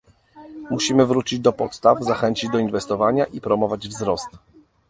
Musimy wrócić do podstaw, zachęcić do inwestowania i promować wzrost